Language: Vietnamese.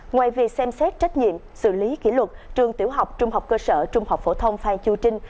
ngoài việc xem xét trách nhiệm xử lý kỷ luật trường tiểu học trung học cơ sở trung học phổ thông phan chu trinh